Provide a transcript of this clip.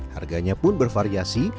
harganya pun bervariasi